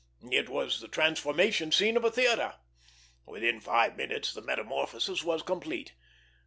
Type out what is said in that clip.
It was the transformation scene of a theatre; within five minutes the metamorphosis was complete.